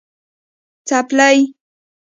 🩴څپلۍ